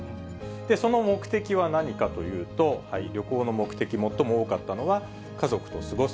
その目的は何かというと、旅行の目的、最も多かったのは、家族と過ごす。